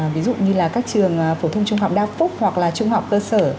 ví dụ như là các trường phổ thông trung học đa phúc hoặc là trung học cơ sở